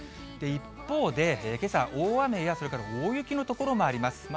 一方で、けさ大雨やそれから大雪の所もあります。